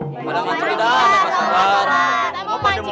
kita mau mancing di danau